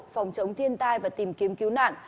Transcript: phòng chống thiên tai và tìm kiếm cứu nạn